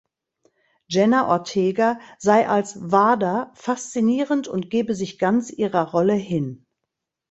Jenna Ortega sei als Vada faszinierend und gebe sich ganz ihrer Rolle hin.